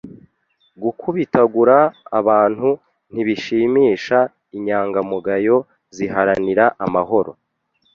Gukubitagura abantu ntibishimisha inyangamugayo ziharanira amahoro